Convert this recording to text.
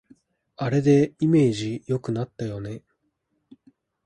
あれでイメージ良くなったよね